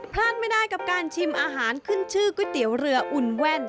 พลาดไม่ได้กับการชิมอาหารขึ้นชื่อก๋วยเตี๋ยวเรืออุ่นแว่น